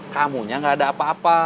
kamunya gak ada apa apa